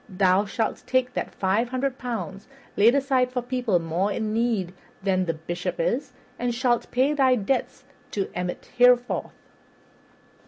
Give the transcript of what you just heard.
Thou shalt take that five hundred pounds laid aside for people more in need than the Bishop is, and shalt pay thy debts to Emmet therewith."